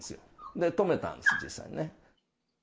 で、止めたんです、実際ね。